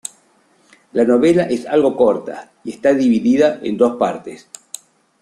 La novela es algo corta y está dividida en dos partes.